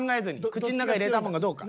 口の中入れたもんがどうか。